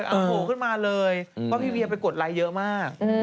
เพิ่มถูกออกมาเลยว่าพี่เวียก็ไปกดไลค์เยอะมาก